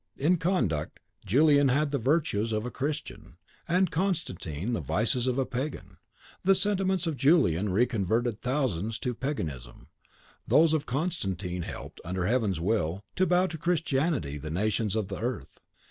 In conduct, Julian had the virtues of a Christian, and Constantine the vices of a Pagan. The sentiments of Julian reconverted thousands to Paganism; those of Constantine helped, under Heaven's will, to bow to Christianity the nations of the earth.